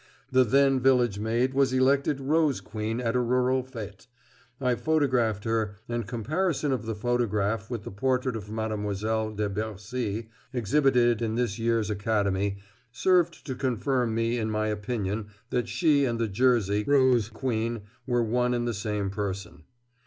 The then village maid was elected Rose Queen at a rural fête, I photographed her, and comparison of the photograph with the portrait of Mademoiselle de Bercy exhibited in this year's Academy served to confirm me in my opinion that she and the Jersey Rose Queen were one and the same person.